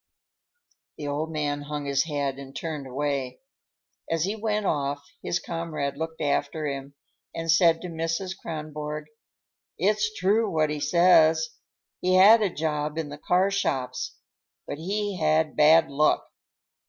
The old man hung his head and turned away. As he went off, his comrade looked after him and said to Mrs. Kronborg: "It's true, what he says. He had a job in the car shops; but he had bad luck."